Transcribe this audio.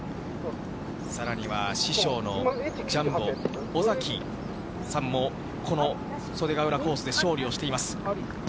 さらには、師匠のジャンボ尾崎さんもこの袖ヶ浦コースで勝利をしています。